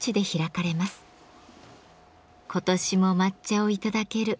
「今年も抹茶をいただける」